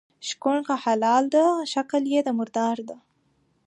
شکوڼ که حلال ده شکل یي د مردار ده.